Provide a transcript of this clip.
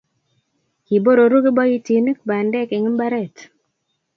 kiborroru kiboitinik bandek eng' mbaret